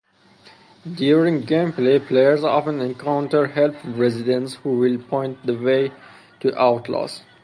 During gameplay, players often encounter helpful residents who will point the way to outlaws.